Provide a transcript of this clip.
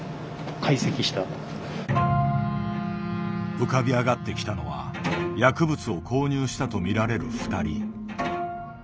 浮かび上がってきたのは薬物を購入したとみられる２人。